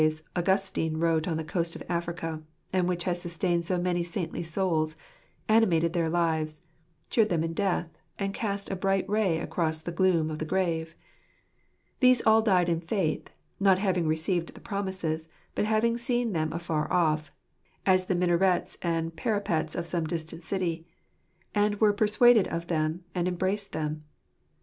i4S Augustine wrote on the coast of Africa, and which has sustained so many saintly souls, animated their lives, cheered them in death, and cast a bright ray across the gloom of the grave. " These all died in faith, not having received the promises, but having seen them afar off (as the minarets and parapets of some distant city), and were persuaded of them and embraced them."